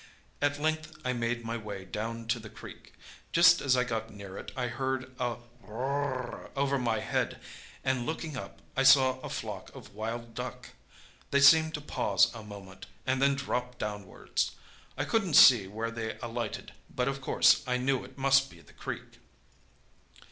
At length I made my way down to the creek. Just as I got near it, I heard a whirr r r over my head, and looking up, I saw a flock of wild duck. They seemed to pause a moment, and then dropped downwards. I couldn't see where they alighted, but of course I knew it must be in the creek.